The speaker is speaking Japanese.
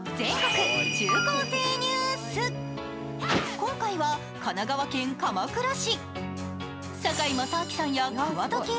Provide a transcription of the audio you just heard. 今回は神奈川県鎌倉市。